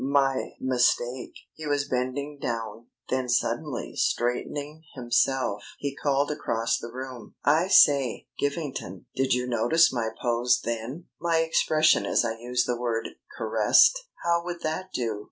My mistake!" He was bending down. Then suddenly straightening himself he called across the room: "I say, Givington, did you notice my pose then my expression as I used the word 'caressed'? How would that do?"